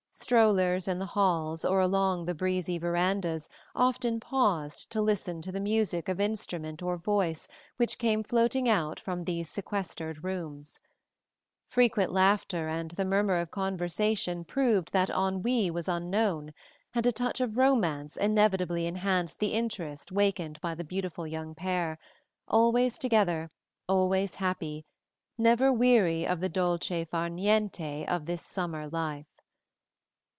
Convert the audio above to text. Strollers in the halls or along the breezy verandas often paused to listen to the music of instrument or voice which came floating out from these sequestered rooms. Frequent laughter and the murmur of conversation proved that ennui was unknown, and a touch of romance inevitably enhanced the interest wakened by the beautiful young pair, always together, always happy, never weary of the dolce far niente of this summer life.